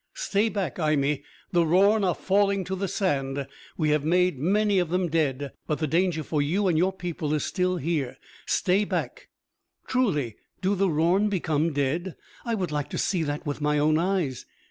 Stay back, Imee! The Rorn are falling to the sand, we have made many of them dead, but the danger for you and your people is still here. Stay back!" "Truly, do the Rorn become dead? I would like to see that with my own eyes.